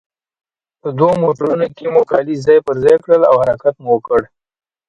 په دوو موټرونو کې مو کالي ځای پر ځای کړل او حرکت مو وکړ.